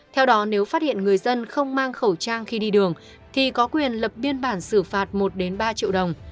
theo đó nếu phát hiện người dân không mang khẩu trang khi đi đường thì có quyền lập biên bản xử phạt một ba triệu đồng